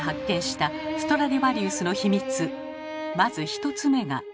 まず１つ目が。